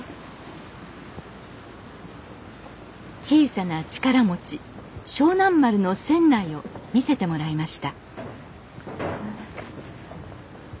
小さな力持ち勝南丸の船内を見せてもらいました